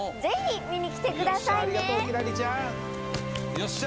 よっしゃ